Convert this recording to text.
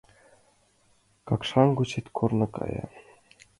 Какшан гочет корно кая